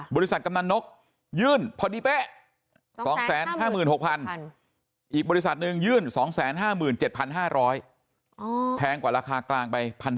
บริษัทกำหนดนกยื่นพอดีเป๊ะ๒๕๖๐๐๐บาทอีกบริษัทนึงยื่น๒๕๗๕๐๐บาทแพงกว่าราคากลางไป๑๕๐๐บาท